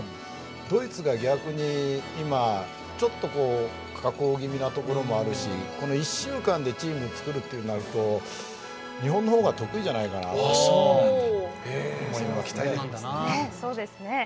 ドイツが逆に、今下降気味なところもあるし１週間でチームを作るのは日本の方が得意じゃないかなと思います。